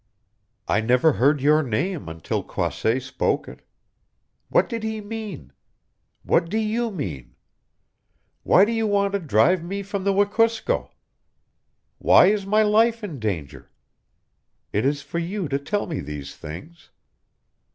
I never heard your name until Croisset spoke it. What did he mean? What do you mean? Why do you want to drive me from the Wekusko? Why is my life in danger? It is for you to tell me these things.